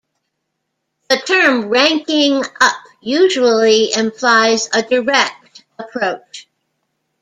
The term "ranking up" usually implies a direct approach.